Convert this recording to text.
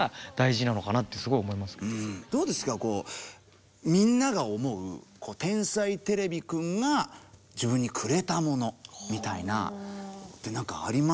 こうみんなが思う「天才てれびくん」が自分にくれたものみたいなって何かありますか？